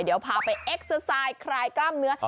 เดี๋ยวพาไปเอ็กเซอร์ไซด์คลายกล้ามเนื้อ